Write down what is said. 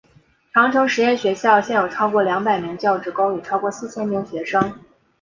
长城实验学校现有超过两百名教职工与超过四千名学生。